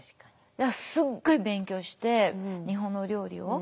だからすごい勉強して日本のお料理を。